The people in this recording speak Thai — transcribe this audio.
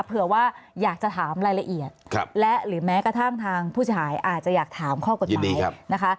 เผื่อว่าอยากจะถามรายละเอียดและหรือแม้กระทั่งทางผู้เสียหายอาจจะอยากถามข้อกฎหมายนะคะ